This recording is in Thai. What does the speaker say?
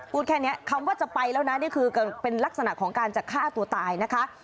แค่นี้คำว่าจะไปแล้วนะนี่คือเป็นลักษณะของการจะฆ่าตัวตายนะคะ